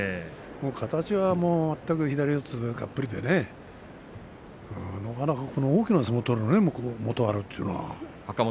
形は全く左四つがっぷりでねなかなか大きな相撲を取るね若元春というのは。